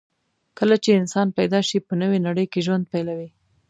کله چې انسان پیدا شي، په نوې نړۍ کې ژوند پیلوي.